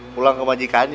pulang ke bajikannya